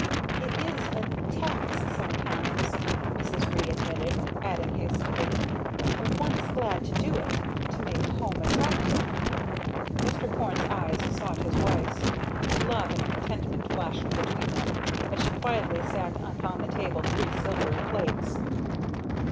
"It is a tax sometimes," Mrs. Ree admitted, adding hastily, "But one is glad to do it to make home attractive." Mr. Porne's eyes sought his wife's, and love and contentment flashed between them, as she quietly set upon the table three silvery plates.